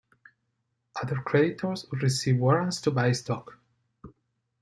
Other creditors would receive warrants to buy stock.